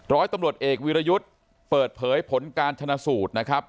ร้อยตำรวจเอกวิรยุทธ์เปิดเผยผลการชนะสูตรนะครับ